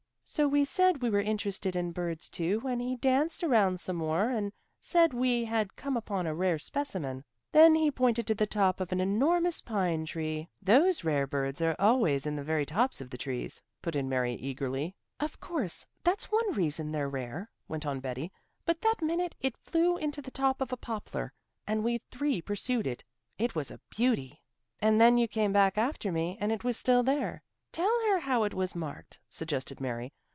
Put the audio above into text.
So we said we were interested in birds too, and he danced around some more and said we had come upon a rare specimen. Then he pointed to the top of an enormous pine tree " "Those rare birds are always in the very tops of trees," put in Mary eagerly. "Of course; that's one reason they're rare," went on Betty. "But that minute it flew into the top of a poplar, and we three pursued it. It was a beauty." "And then you came back after me, and it was still there. Tell her how it was marked," suggested Mary.